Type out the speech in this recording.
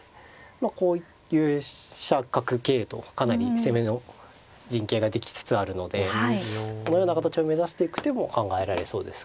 こういう飛車角桂とかなり攻めの陣形ができつつあるのでこのような形を目指していく手も考えられそうですかね。